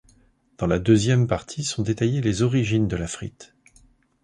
Dans la deuxième partie sont détaillées les origines de la frite.